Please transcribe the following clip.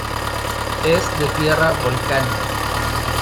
Es de tierra volcánica.